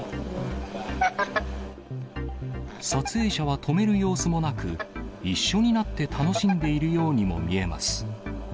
撮影者は止める様子もなく、一緒になって楽しんでいるようにも見えます。